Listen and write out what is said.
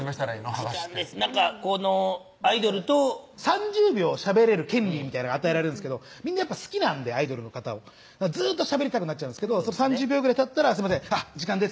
剥がしってなんかこのアイドルと３０秒しゃべれる権利みたいなのが与えられるんですけどみんなやっぱ好きなんでアイドルの方をずーっとしゃべりたくなっちゃうんですけど３０秒ぐらいたったら「すいません時間です」